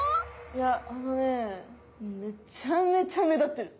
いやあのねめちゃめちゃ目立ってる。